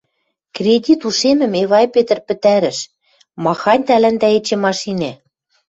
— Кредит ушемӹм Эвай Петр пӹтӓрӹш, махань тӓлӓндӓ эче машинӓ?!